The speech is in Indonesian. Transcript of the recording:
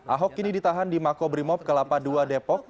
ahok kini ditahan di makobrimob kelapa ii depok